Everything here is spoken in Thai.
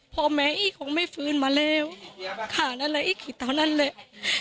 เพราะแม่อีกคงไม่ฟื้นมาแล้วข้าวนั้นแหละอีกคิดเท่านั้นแหละ